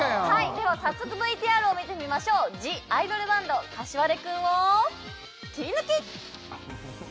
では早速ＶＴＲを見てみましょう「ＴＨＥＩＤＯＬＢＡＮＤ」膳君をキリヌキ！